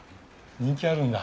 人気あるんだ。